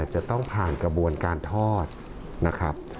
จะต้องผ่านกระบวนการทอดนะครับ